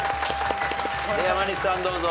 山西さんどうぞ。